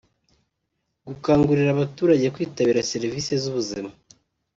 gukangurira abaturage kwitabira serivisi z’ubuzima